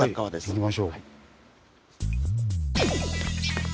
行きましょう。